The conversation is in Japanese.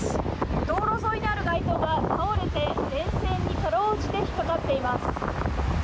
道路沿いにある街灯が倒れて電線にかろうじて引っ掛かっています。